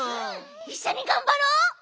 いっしょにがんばろう！